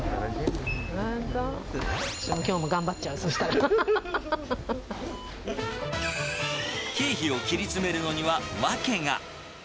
きょうも頑張っちゃう、経費を切り詰めるのには訳が。